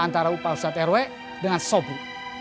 antara pak ustadz rw dengan sobri